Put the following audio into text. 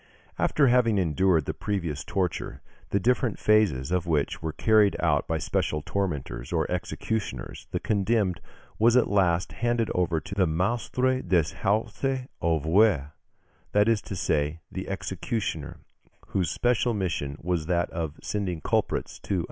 ] After having endured the previous torture, the different phases of which were carried out by special tormentors or executioners, the condemned was at last handed over to the maistre des haultes oeuvres that is to say, the executioner whose special mission was that of sending culprits to another world (Fig.